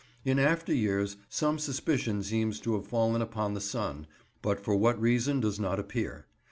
In after years some suspicion seems to have fallen upon the son, but for what reason does not appear.